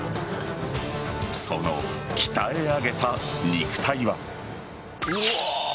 その鍛え上げた肉体は。